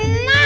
ini biar pas